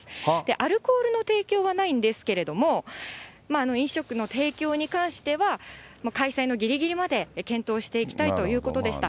アルコールの提供はないんですけれども、飲食の提供に関しては、開催のぎりぎりまで検討していきたいということでした。